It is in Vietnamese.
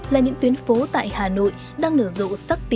là những tuyến phố tại hà nội đang nở rộ sắc tím